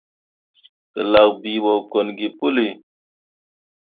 Gǝlak bii ɓo kon gi puli.